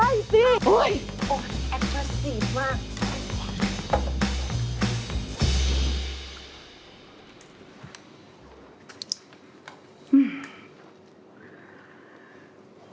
แอฟเฟอร์ซีดมาก